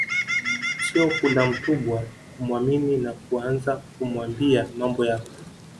Sio kula mtubwa kumwamini na kuaanza kumwambia mambo yako